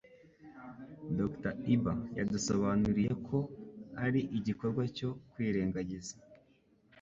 Dr Iba yadusobanuriye ko ari igikorwa cyo kwirengagiza